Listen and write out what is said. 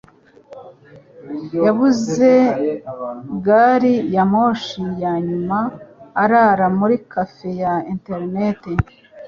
yabuze gari ya moshi ya nyuma arara muri cafe ya interineti